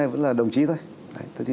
vẫn là đồng chí thôi